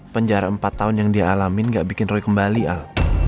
penjara empat tahun yang dia alamin gak bikin roy kembali al